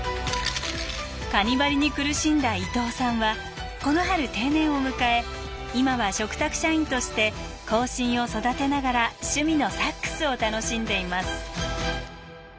カニバリに苦しんだ伊藤さんはこの春定年を迎え今は嘱託社員として後進を育てながら趣味のサックスを楽しんでいます。